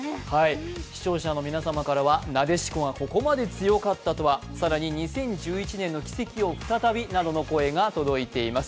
視聴者の皆様からは、なでしこがここまで強かったとは更に２０１１年の奇跡を再びなどの声が届いています。